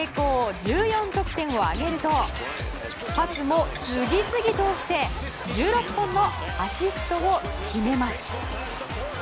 １４得点を挙げるとパスも次々通して１６本のアシストを決めます。